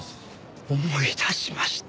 思い出しました。